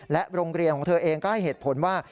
โรงเรียนของเธอเองก็ให้เหตุผลว่า